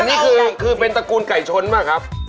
อันนี้คือเป็นตระกูลไก่ช้นหรือเปล่าครับ